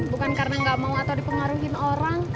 bukan karena gak mau atau dipengaruhin orang